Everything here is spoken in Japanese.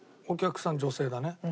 お客さん女性だね。